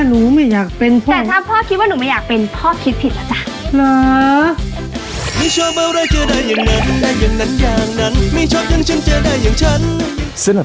ลูกป๊อตเนี่ยนะ